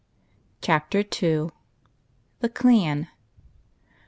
CHAPTER II. THE CLAN.